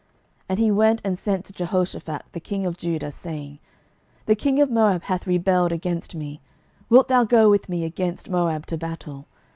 12:003:007 And he went and sent to Jehoshaphat the king of Judah, saying, The king of Moab hath rebelled against me: wilt thou go with me against Moab to battle?